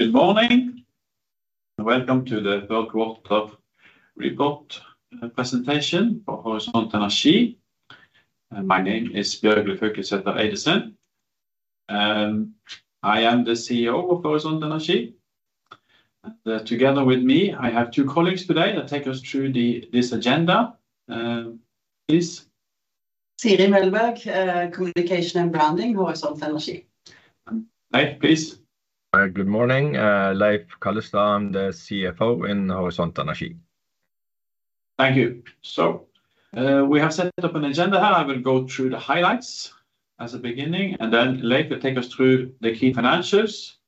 Good morning, and welcome to the third quarter report presentation for Horisont Energi. My name is Bjørgulf Haukelidsæter Eidesen, and I am the CEO of Horisont Energi. Together with me, I have two colleagues today that take us through this agenda, please. Siri Melberg, Communication and Branding, Horisont Energi. Leiv, please. Good morning. Leiv Kallestad, I'm the CFO in Horisont Energi. Thank you. So, we have set up an agenda here. I will go through the highlights as a beginning, and then Leiv will take us through the key financials,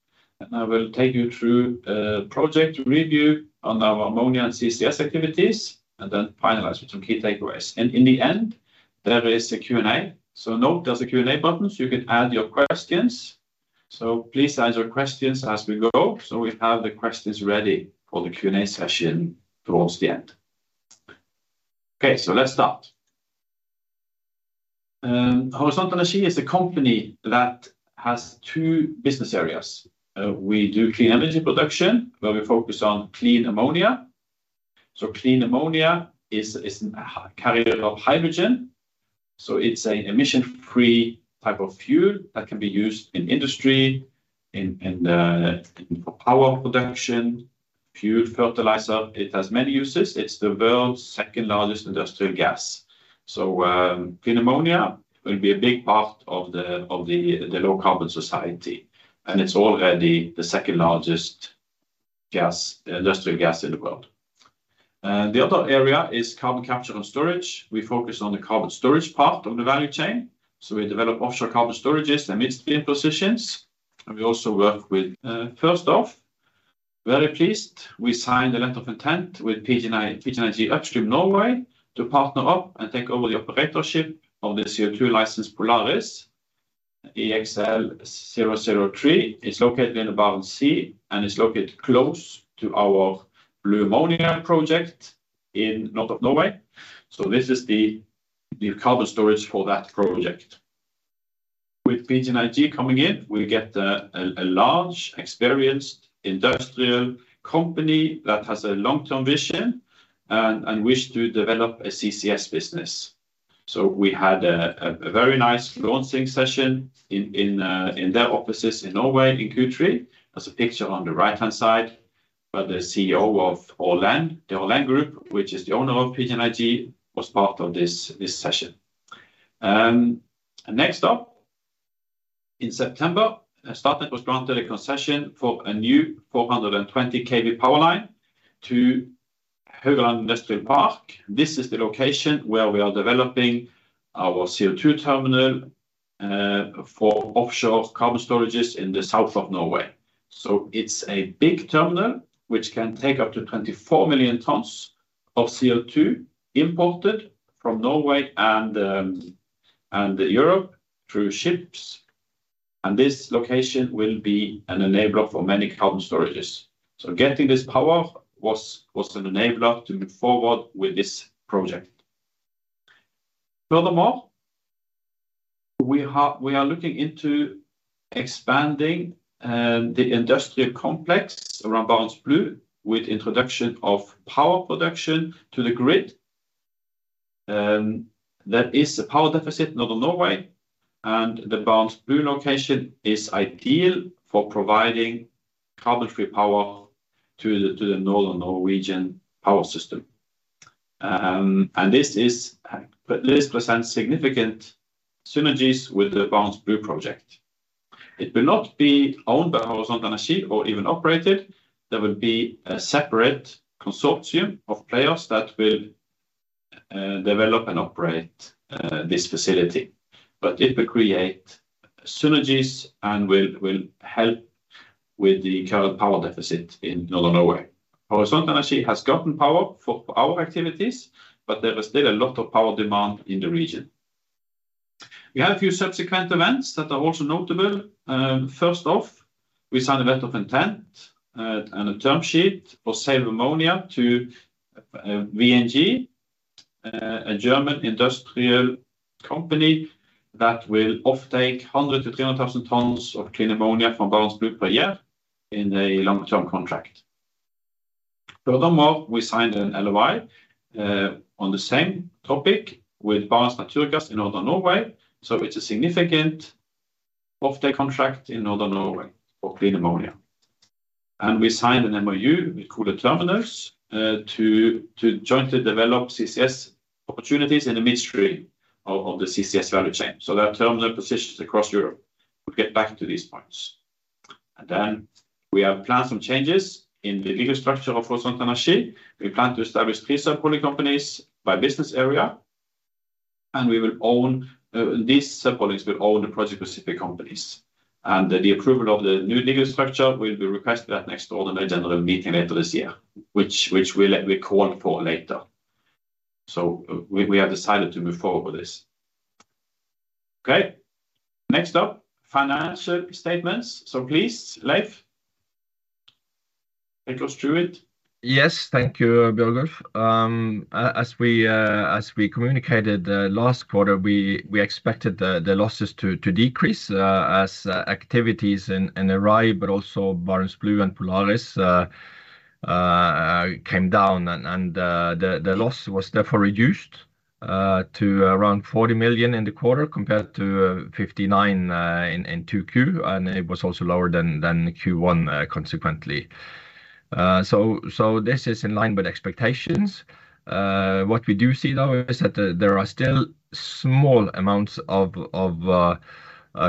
and I will take you through, project review on our ammonia and CCS activities, and then finalize with some key takeaways. And in the end, there is a Q&A. So note, there's a Q&A button, so you can add your questions. So please add your questions as we go, so we have the questions ready for the Q&A session towards the end. Okay, so let's start. Horisont Energi is a company that has two business areas. We do clean energy production, where we focus on clean ammonia. So clean ammonia is, is a carrier of hydrogen, so it's an emission-free type of fuel that can be used in industry, in, in, in power production, fuel, fertilizer. It has many uses. It's the world's second-largest industrial gas. So, clean ammonia will be a big part of the low-carbon society, and it's already the second-largest industrial gas in the world. The other area is carbon capture and storage. We focus on the carbon storage part of the value chain, so we develop offshore carbon storages and midstream positions, and we also work with... First off, very pleased, we signed a letter of intent with PGNiG, PGNiG Upstream Norway, to partner up and take over the operatorship of the CO2 license Polaris. EXL003 is located in the Barents Sea and is located close to our Blue Ammonia project in northern Norway. So this is the carbon storage for that project. With PGNiG coming in, we get a large, experienced industrial company that has a long-term vision and wish to develop a CCS business. We had a very nice launching session in their offices in Norway, in Kurti. There's a picture on the right-hand side, by the CEO of ORLEN. The ORLEN Group, which is the owner of PGNiG, was part of this session. Next up, in September, Statnett was granted a concession for a new 420 kV power line to Haugaland Industrial Park. This is the location where we are developing our CO2 terminal for offshore carbon storages in the south of Norway. So it's a big terminal, which can take up to 24 million tons of CO2 imported from Norway and Europe through ships, and this location will be an enabler for many carbon storages. So getting this power was an enabler to move forward with this project. Furthermore, we are looking into expanding the industrial complex around Barents Blue with introduction of power production to the grid. There is a power deficit in Northern Norway, and the Barents Blue location is ideal for providing carbon-free power to the Northern Norwegian power system. And this presents significant synergies with the Barents Blue project. It will not be owned by Horisont Energi or even operated. There will be a separate consortium of players that will, develop and operate, this facility, but it will create synergies and will, will help with the current power deficit in Northern Norway. Horisont Energi has gotten power for our activities, but there is still a lot of power demand in the region. We have a few subsequent events that are also notable. First off, we signed a letter of intent, and a term sheet for sale of ammonia to, VNG, a German industrial company that will offtake 100,000-300,000 tons of clean ammonia from Barents Blue per year in a long-term contract. Furthermore, we signed an LOI, on the same topic with Barents NaturGass in Northern Norway, so it's a significant offtake contract in Northern Norway for clean ammonia. We signed an MoU with Koole Terminals to jointly develop CCS opportunities in the midstream of the CCS value chain. So there are terminal positions across Europe. We'll get back to these points. Then we have planned some changes in the legal structure of Horisont Energi. We plan to establish three subsidiary companies by business area, and we will own; these subsidiaries will own the project-specific companies. And the approval of the new legal structure will be requested at next ordinary general meeting later this year, which we'll call for later. So we have decided to move forward with this. Okay, next up, financial statements. So please, Leiv...Thank you, Stuart. Yes, thank you, Bjørgulf. As we communicated last quarter, we expected the losses to decrease as activities in Errai, but also Barents Blue and Polaris came down and the loss was therefore reduced to around 40 million in the quarter, compared to 59 in 2Q, and it was also lower than Q1 consequently. So this is in line with expectations. What we do see, though, is that there are still small amounts of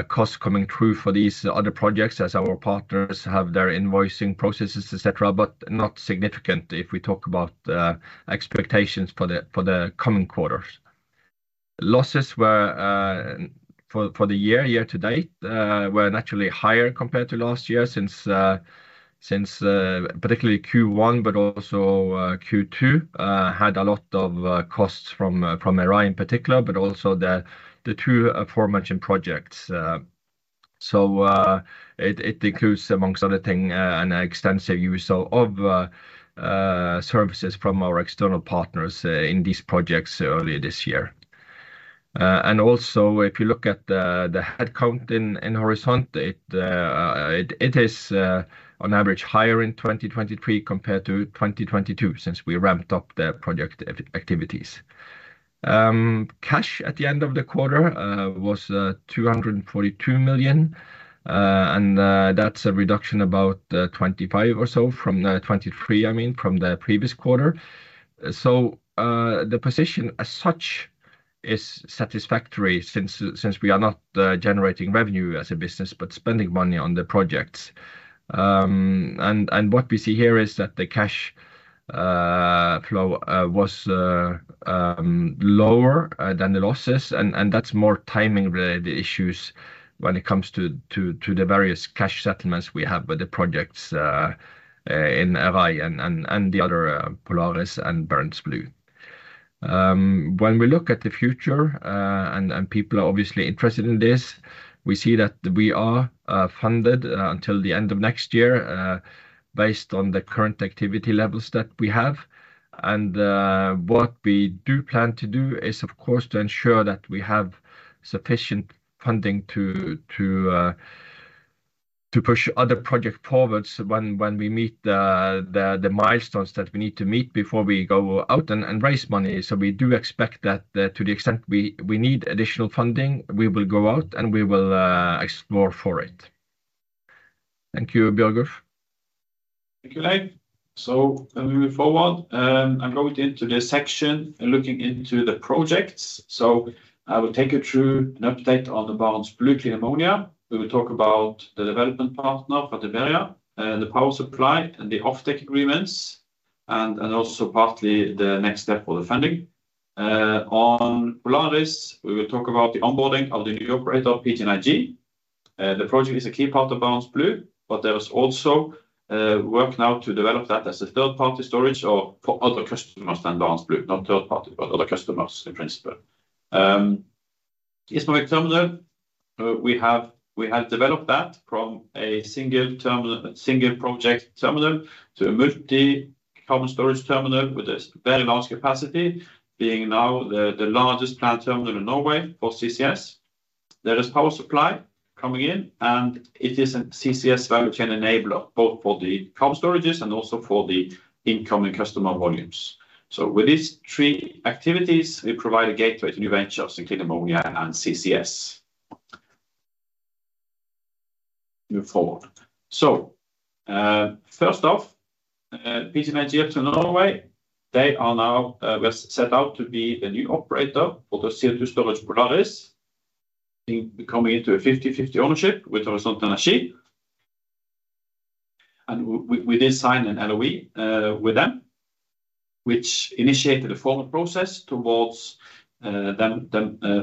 costs coming through for these other projects, as our partners have their invoicing processes, et cetera, but not significant if we talk about expectations for the coming quarters. Losses were for the year to date naturally higher compared to last year since particularly Q1, but also Q2, had a lot of costs from Errai in particular, but also the two aforementioned projects. So it includes, amongst other things, an extensive use of services from our external partners in these projects earlier this year. And also, if you look at the headcount in Horisont, it is on average higher in 2023 compared to 2022, since we ramped up the project activities. Cash at the end of the quarter was 242 million, and that's a reduction of about 25 or so from 23, I mean, from the previous quarter. The position as such is satisfactory since we are not generating revenue as a business, but spending money on the projects. What we see here is that the cash flow was lower than the losses, and that's more timing-related issues when it comes to the various cash settlements we have with the projects in Errai and the other Polaris and Barents Blue. When we look at the future, and people are obviously interested in this, we see that we are funded until the end of next year based on the current activity levels that we have. What we do plan to do is, of course, to ensure that we have sufficient funding to push other projects forward when we meet the milestones that we need to meet before we go out and raise money. So we do expect that, to the extent we need additional funding, we will go out, and we will explore for it. Thank you, Bjørgulf. Thank you, Leiv. Moving forward, I'm going into this section and looking into the projects. I will take you through an update on the Barents Blue clean ammonia. We will talk about the development partner, Vår Energi, and the power supply and the off-take agreements, and also partly the next step for the funding. On Polaris, we will talk about the onboarding of the new operator, PGNiG. The project is a key part of Barents Blue, but there is also work now to develop that as a third-party storage or for other customers than Barents Blue, not third party, but other customers in principle. Gismarvik Terminal, we have developed that from a single terminal, single project terminal to a multi-carbon storage terminal with a very large capacity, being now the largest plant terminal in Norway for CCS. There is power supply coming in, and it is a CCS value chain enabler, both for the carbon storages and also for the incoming customer volumes. So with these three activities, we provide a gateway to new ventures in clean ammonia and CCS. Move forward. So, first off, PGNiG in Norway, they are now was set out to be the new operator for the CO2 storage, Polaris, incoming into a 50/50 ownership with Horisont Energi. And we did sign an LOI with them, which initiated a formal process towards them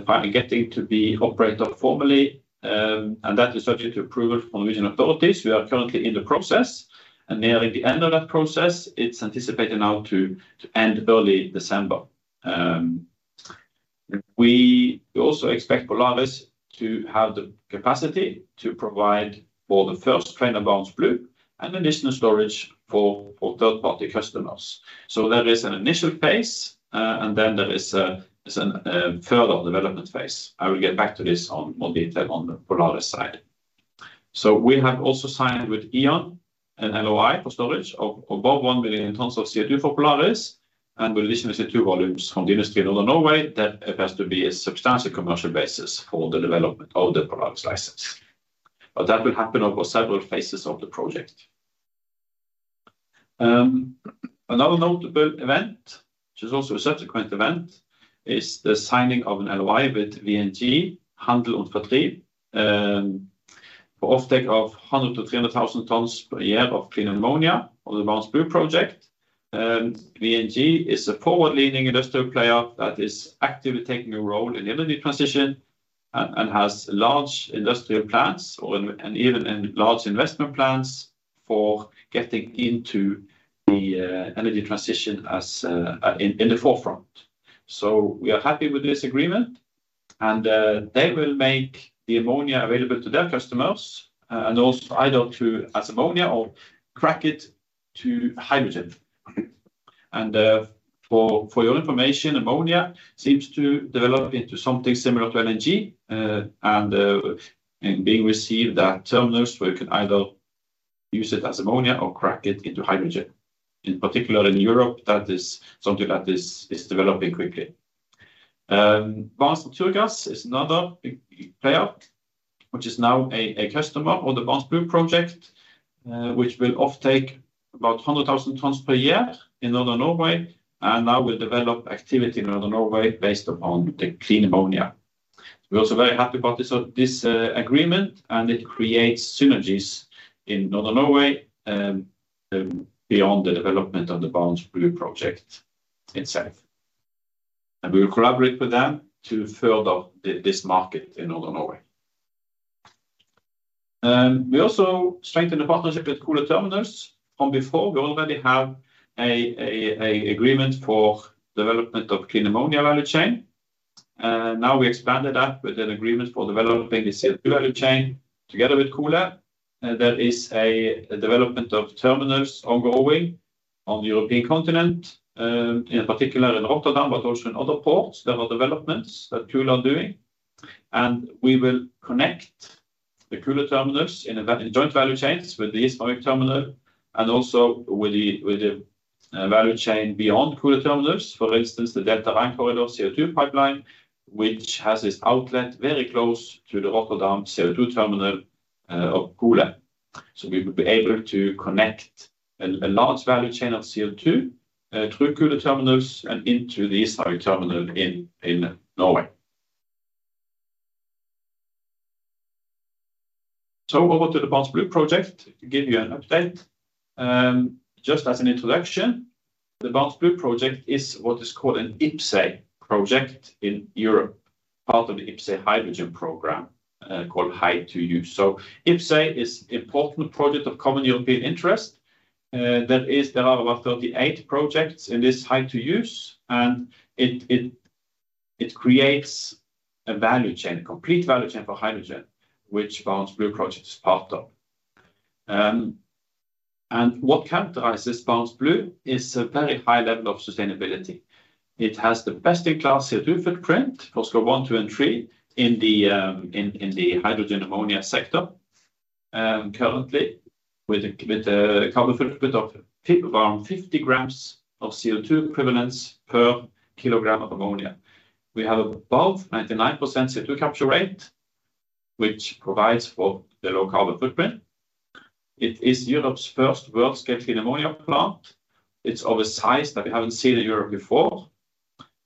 finally getting to be operator formally, and that is subject to approval from the Norwegian authorities. We are currently in the process, and nearing the end of that process. It's anticipated now to end early December. We also expect Polaris to have the capacity to provide for the first train of Barents Blue and additional storage for third-party customers. So there is an initial phase, and then there is an further development phase. I will get back to this on more detail on the Polaris side. So we have also signed with E.ON, an LOI for storage of above 1 billion tons of CO2 for Polaris, and with additional CO2 volumes from the industry in Northern Norway, that has to be a substantial commercial basis for the development of the Polaris license. But that will happen over several phases of the project. Another notable event, which is also a subsequent event, is the signing of an LOI with VNG Handel & Vertrieb for offtake of 100-300,000 tons per year of clean ammonia on the Barents Blue project. VNG is a forward-leaning industrial player that is actively taking a role in the energy transition and has large industrial plants or even large investment plans for getting into the energy transition as in the forefront. So we are happy with this agreement, and they will make the ammonia available to their customers and also either as ammonia or crack it to hydrogen. For your information, ammonia seems to develop into something similar to LNG, and being received at terminals where you can either use it as ammonia or crack it into hydrogen. In particular, in Europe, that is something that is developing quickly. Barents NaturGass is another big player, which is now a customer on the Barents Blue project, which will offtake about 100,000 tons per year in Northern Norway, and now will develop activity in Northern Norway based upon the clean ammonia. We're also very happy about this agreement, and it creates synergies in Northern Norway, beyond the development of the Barents Blue project itself. And we will collaborate with them to further develop this market in Northern Norway. We also strengthened the partnership with Koole Terminals. From before, we already have an agreement for development of clean ammonia value chain. Now we expanded that with an agreement for developing the CO2 value chain together with Koole. There is a development of terminals ongoing on the European continent, in particular in Rotterdam, but also in other ports. There are developments that Koole are doing, and we will connect the Koole terminals in joint value chains with the Gismarvik terminal, and also with the value chain beyond Koole terminals. For instance, the Delta Rhine Corridor CO2 pipeline, which has its outlet very close to the Rotterdam CO2 terminal of Koole. So we will be able to connect a large value chain of CO2 through Koole terminals and into the Gismarvik terminal in Norway. So over to the Barents Blue project, to give you an update. Just as an introduction, the Barents Blue project is what is called an IPCEI project in Europe, part of the IPCEI Hydrogen program, called Hy2Use. So IPCEI is Important Project of Common European Interest. That is, there are about 38 projects in this Hy2Use, and it creates a value chain, a complete value chain for hydrogen, which Barents Blue project is part of. And what characterizes Barents Blue is a very high level of sustainability. It has the best-in-class CO2 footprint for scope 1, 2, and 3 in the hydrogen ammonia sector. Currently, with a carbon footprint of around 50 grams of CO2 equivalents per kilogram of ammonia. We have above 99% CO2 capture rate, which provides for the low carbon footprint. It is Europe's first large-scale clean ammonia plant. It's of a size that we haven't seen in Europe before.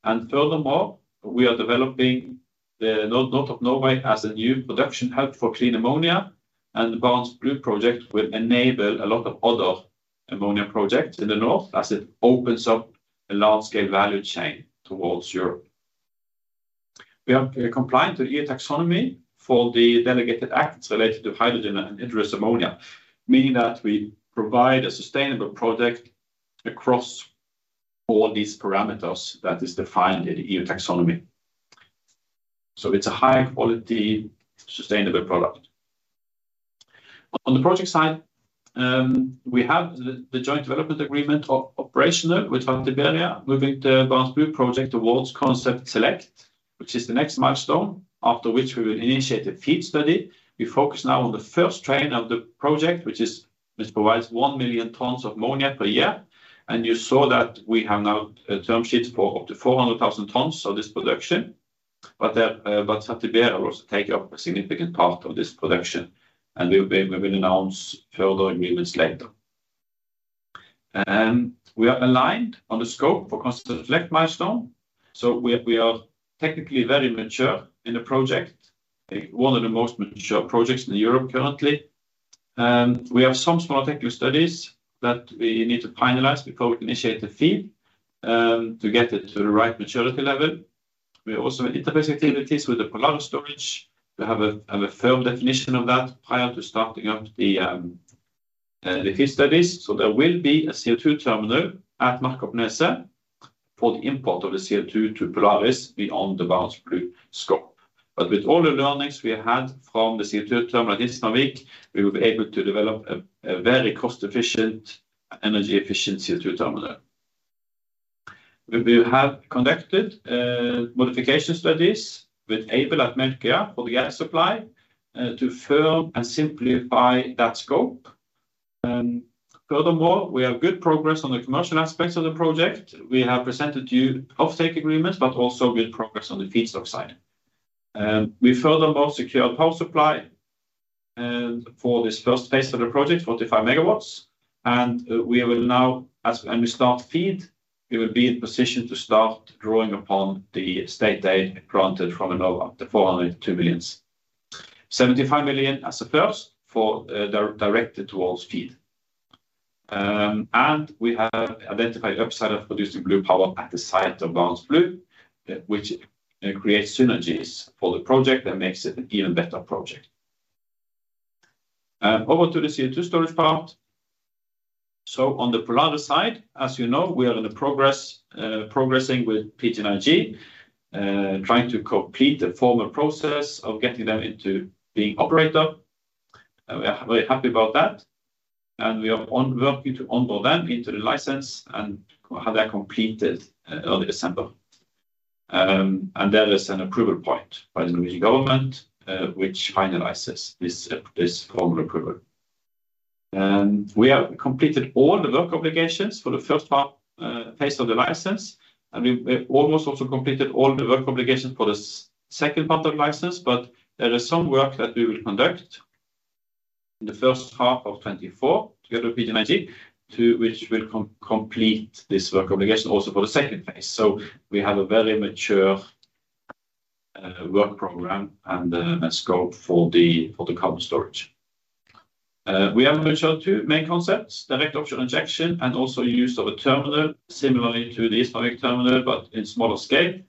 Furthermore, we are developing the Northern Norway as a new production hub for clean ammonia, and the Barents Blue project will enable a lot of other ammonia projects in the north, as it opens up a large-scale value chain towards Europe. We are compliant to EU Taxonomy for the delegated acts related to hydrogen and indirect ammonia, meaning that we provide a sustainable product across all these parameters that is defined in the EU Taxonomy. So it's a high-quality, sustainable product. On the project side, we have the joint development agreement operational with Fertiberia, moving the Barents Blue project towards concept select, which is the next milestone, after which we will initiate a FEED study. We focus now on the first train of the project, which provides 1 million tons of ammonia per year, and you saw that we have now term sheets for up to 400,000 tons of this production. But Fertiberia will also take up a significant part of this production, and we will announce further agreements later. We are aligned on the scope for concept select milestone, so we are technically very mature in the project, one of the most mature projects in Europe currently. We have some small technical studies that we need to finalize before we initiate the FEED to get it to the right maturity level. We also have interface activities with the Polaris storage. We have a firm definition of that prior to starting up the FEED studies. So there will be a CO2 terminal at Melkøya for the import of the CO2 to Polaris beyond the Barents Blue scope. But with all the learnings we had from the CO2 terminal at Gismarvik, we will be able to develop a very cost-efficient, energy-efficient CO2 terminal. We have conducted modification studies with Aibel at Melkøya for the gas supply to firm and simplify that scope. Furthermore, we have good progress on the commercial aspects of the project. We have presented to you offtake agreements, but also good progress on the feedstock side. We furthermore secured power supply for this first phase of the project, 45 MW, and we will now... when we start FEED, we will be in position to start drawing upon the state aid granted from Enova, 402 million. 75 million as a first for, directed towards FEED. And we have identified upside of producing blue power at the site of Barents Blue, which creates synergies for the project and makes it an even better project. And over to the CO2 storage part. So on the Polaris side, as you know, we are in the progress, progressing with PGNiG, trying to complete the formal process of getting them into being operator. And we are very happy about that, and we are on working to onboard them into the license and have that completed, early December. And there is an approval point by the Norwegian government, which finalizes this formal approval. We have completed all the work obligations for the first part, phase of the license, and we almost also completed all the work obligations for the second part of the license, but there is some work that we will conduct in the first half of 2024, together with PGNiG, which will complete this work obligation also for the second phase. So we have a very mature work program and a scope for the carbon storage. We have mature two main concepts: direct option injection and also use of a terminal, similarly to the Gismarvik terminal, but in smaller scale.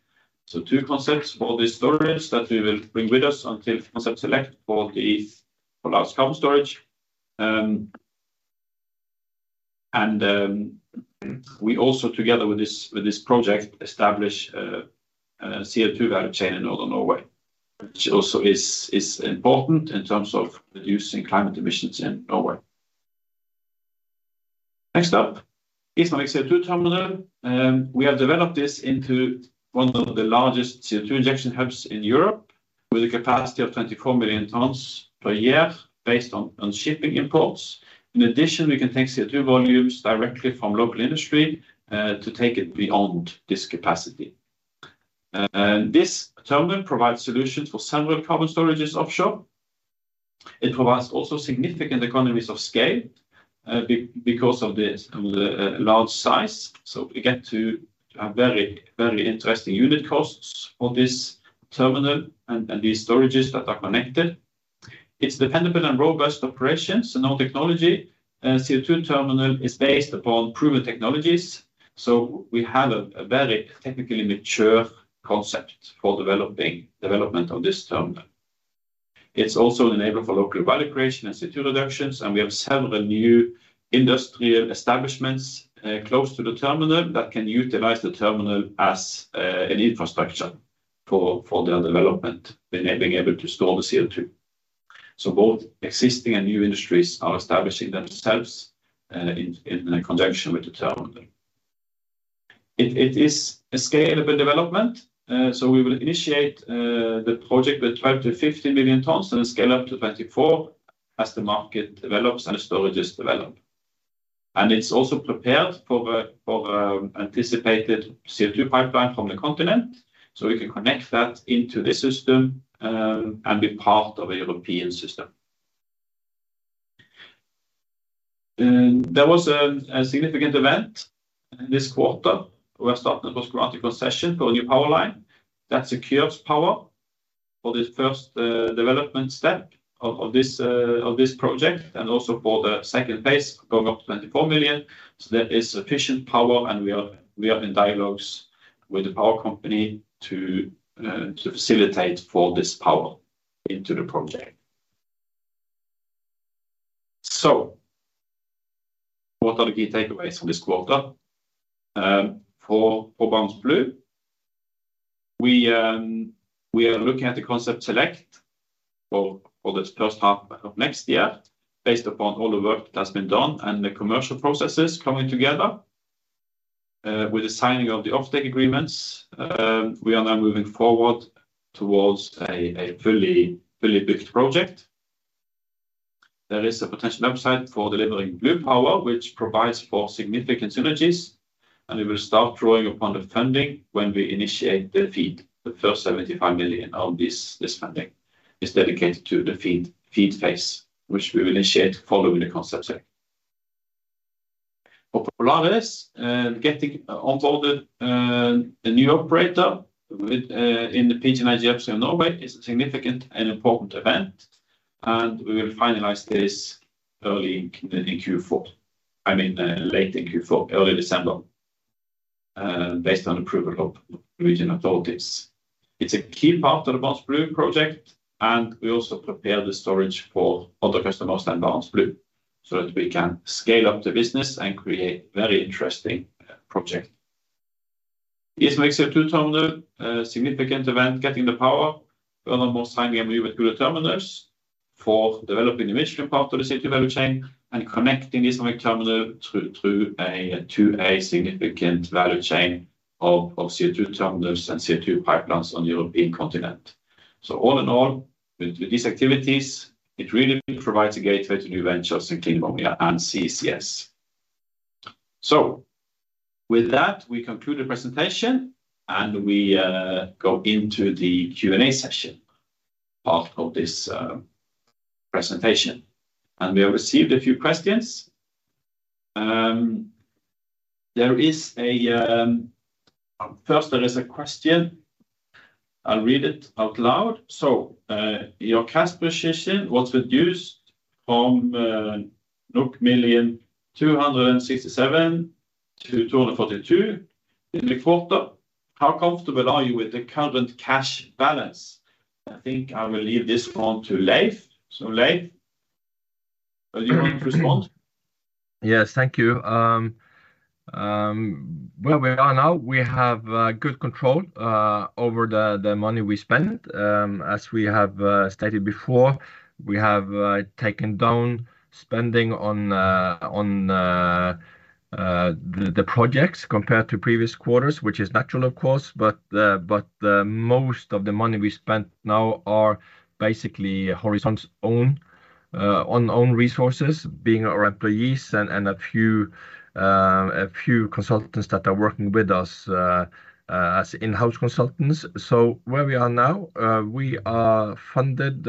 So two concepts for the storage that we will bring with us until concept select for the Polaris carbon storage. We also, together with this project, establish a CO2 value chain in Northern Norway, which also is important in terms of reducing climate emissions in Norway. Next up, Gismarvik CO2 terminal. We have developed this into one of the largest CO2 injection hubs in Europe, with a capacity of 24 million tons per year, based on shipping imports. In addition, we can take CO2 volumes directly from local industry to take it beyond this capacity. And this terminal provides solutions for several carbon storages offshore. It provides also significant economies of scale because of the large size. So we get to a very, very interesting unit costs for this terminal and these storages that are connected. It's dependable and robust operations, and our technology, CO2 terminal is based upon proven technologies, so we have a very technically mature concept for development of this terminal. It's also an enabler for local value creation and CO2 reductions, and we have several new industrial establishments close to the terminal that can utilize the terminal as an infrastructure for their development, being able to store the CO2. So both existing and new industries are establishing themselves in conjunction with the terminal. It is a scalable development, so we will initiate the project with 12-15 million tons and scale up to 24 as the market develops and the storages develop. It's also prepared for the anticipated CO2 pipeline from the continent, so we can connect that into the system, and be part of a European system. There was a significant event in this quarter. We are starting a bureaucratic concession for a new power line that secures power for the first development step of this project, and also for the second phase, going up to 24 million. So there is sufficient power, and we are in dialogues with the power company to facilitate for this power into the project. So what are the key takeaways from this quarter? For Barents Blue, we are looking at the concept select for the first half of next year, based upon all the work that has been done and the commercial processes coming together. With the signing of the offtake agreements, we are now moving forward towards a fully built project. There is a potential upside for delivering blue power, which provides for significant synergies, and we will start drawing upon the funding when we initiate the FEED. The first 75 million of this funding is dedicated to the FEED phase, which we will initiate following the concept select. For Polaris, getting onboarded a new operator with in the PGNiG Upstream Norway is a significant and important event, and we will finalize this early in Q4... I mean, late in Q4, early December, based on approval of regional authorities. It's a key part of the Barents Blue project, and we also prepare the storage for other customers than Barents Blue, so that we can scale up the business and create very interesting project. It makes a CO2 terminal a significant event, getting the power, one of the most timely with other terminals for developing the initial part of the CO2 value chain and connecting this terminal through, through a, to a significant value chain of, of CO2 terminals and CO2 pipelines on the European continent. So all in all, with, with these activities, it really provides a gateway to new ventures in clean ammonia and CCS. So with that, we conclude the presentation, and we go into the Q&A session part of this presentation. We have received a few questions. There is a first, there is a question. I'll read it out loud. So, your cash position was reduced from 267 million to 242 million in the quarter. How comfortable are you with the current cash balance? I think I will leave this one to Leiv. So, Leiv, would you like to respond? Yes. Thank you. Where we are now, we have good control over the money we spend. As we have stated before, we have taken down spending on the projects compared to previous quarters, which is natural of course, but most of the money we spent now are basically Horisont's own resources, being our employees and a few consultants that are working with us as in-house consultants. So where we are now, we are funded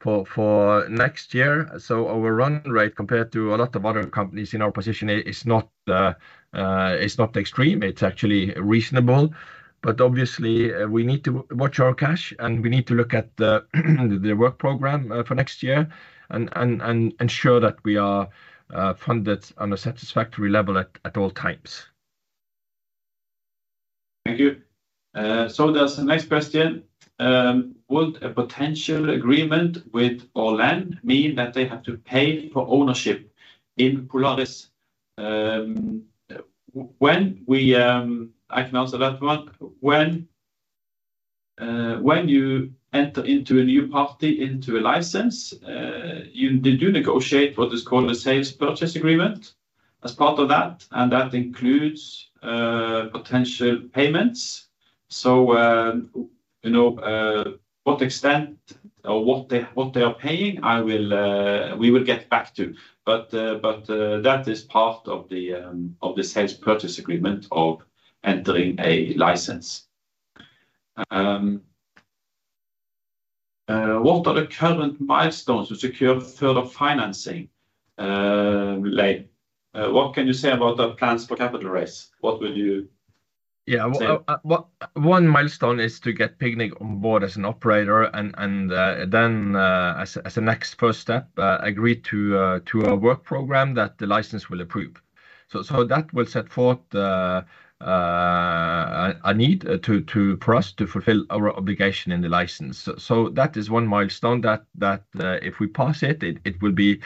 for next year. So our run rate compared to a lot of other companies in our position is not, it's not extreme, it's actually reasonable. But obviously, we need to watch our cash, and we need to look at the work program for next year and ensure that we are funded on a satisfactory level at all times. Thank you. There's the next question. Would a potential agreement with ORLEN mean that they have to pay for ownership in Polaris? I can answer that one. When you enter into a new party, into a license, they do negotiate what is called a sales purchase agreement as part of that, and that includes potential payments. So, you know, what extent or what they, what they are paying, we will get back to, but, but, that is part of the sales purchase agreement of entering a license. What are the current milestones to secure further financing? Leiv, what can you say about the plans for capital raise? What would you- Yeah- Say Well, one milestone is to get PGNiG on board as an operator, and then, as a next first step, agree to a work program that the license will approve. So, that will set forth a need for us to fulfill our obligation in the license. So that is one milestone that, if we pass it, it will be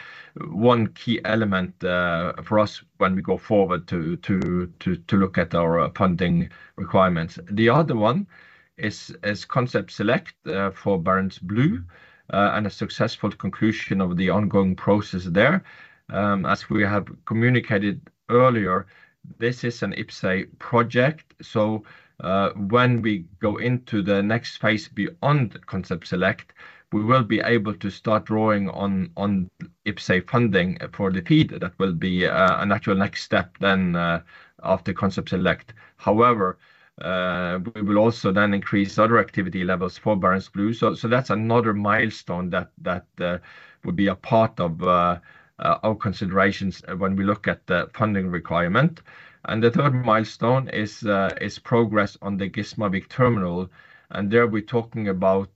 one key element for us when we go forward to look at our funding requirements. The other one is concept select for Barents Blue, and a successful conclusion of the ongoing process there. As we have communicated earlier, this is an IPCEI project, so when we go into the next phase beyond concept select, we will be able to start drawing on IPCEI funding for the FEED. That will be a natural next step then after concept select. However, we will also then increase other activity levels for Barents Blue. That's another milestone that would be a part of our considerations when we look at the funding requirement. And the third milestone is progress on the Gismarvik terminal, and there we're talking about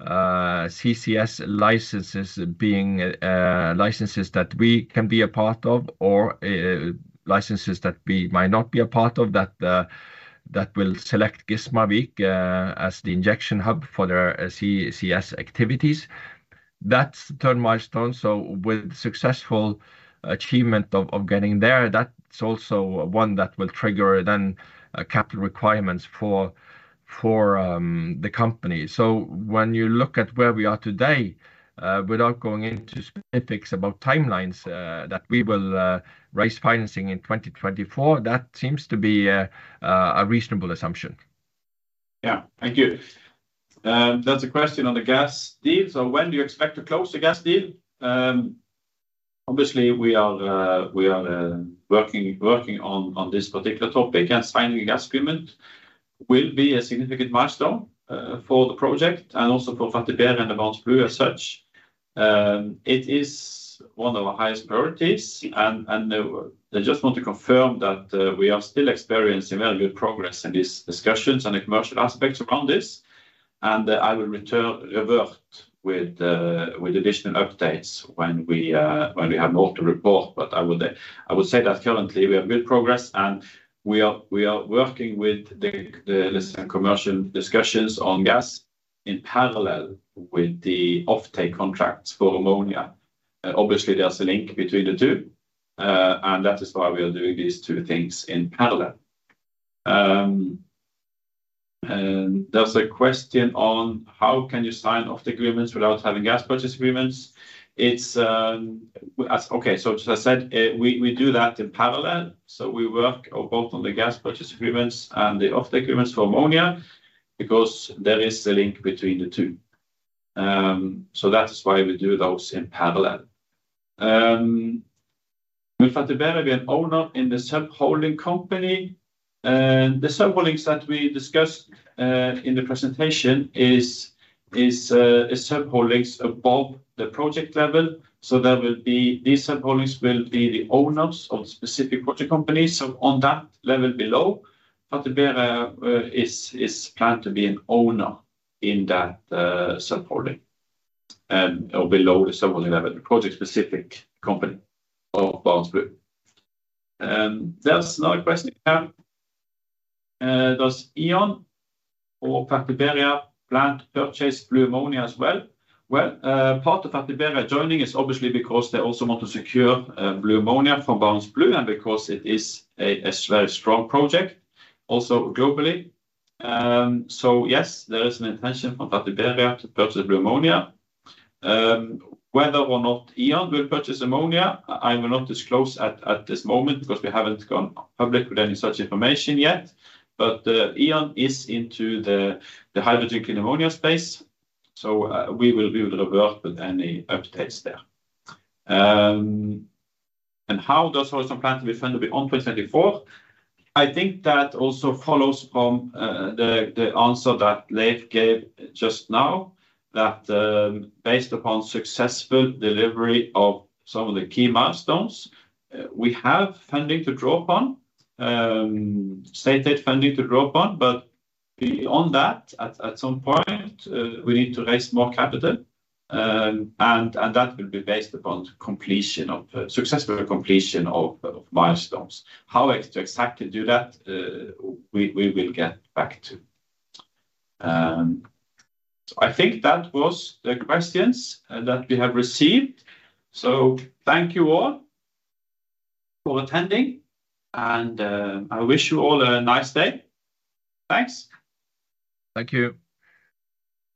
CCS licenses being licenses that we can be a part of or licenses that we might not be a part of that will select Gismarvik as the injection hub for their CCS activities. That's the third milestone. So with successful achievement of getting there, that's also one that will trigger then capital requirements for the company. So when you look at where we are today, without going into specifics about timelines, that we will raise financing in 2024, that seems to be a reasonable assumption. Yeah. Thank you. There's a question on the gas deal. So when do you expect to close the gas deal? Obviously, we are working on this particular topic, and signing a gas agreement will be a significant milestone for the project and also for Vår Energi and Barents Blue as such. It is one of our highest priorities, and I just want to confirm that we are still experiencing very good progress in these discussions and the commercial aspects around this, and I will revert with additional updates when we have more to report. But I would say that currently, we have good progress, and we are working with the commercial discussions on gas in parallel with the offtake contracts for ammonia. Obviously, there's a link between the two, and that is why we are doing these two things in parallel. There's a question on: How can you sign off the agreements without having gas purchase agreements? It's okay, so as I said, we do that in parallel. So we work both on the gas purchase agreements and the offtake agreements for ammonia, because there is a link between the two. So that is why we do those in parallel. Will Vår Energi be an owner in the sub-holding company? The sub-holdings that we discussed in the presentation is sub-holdings above the project level, so these sub-holdings will be the owners of specific project companies. So on that level below, Vår Energi is planned to be an owner in that, sub-holding, or below the sub-holding level, the project-specific company of Barents Blue. There's another question here. Does E.ON or Vår Energi plan to purchase blue ammonia as well? Well, part of Vår Energi joining is obviously because they also want to secure, blue ammonia from Barents Blue and because it is a very strong project also globally. So yes, there is an intention from Vår Energi to purchase blue ammonia. Whether or not E.ON will purchase ammonia, I will not disclose at this moment because we haven't gone public with any such information yet. But, E.ON is into the hydrogen clean ammonia space, so, we will be able to revert with any updates there. And how does Horisont plan to be funded beyond 2024? I think that also follows from the answer that Leiv gave just now, that based upon successful delivery of some of the key milestones, we have funding to draw upon, stated funding to draw upon, but beyond that, at some point, we need to raise more capital, and that will be based upon the completion of successful completion of milestones. How exactly to do that, we will get back to. So I think that was the questions that we have received. So thank you all for attending, and I wish you all a nice day. Thanks. Thank you.